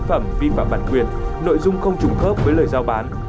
phẩm vi phạm bản quyền nội dung không trùng khớp với lời giao bán